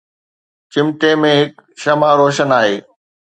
چمني ۾ هڪ شمع روشن آهي